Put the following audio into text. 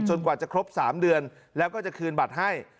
กว่าจะครบ๓เดือนแล้วก็จะคืนบัตรให้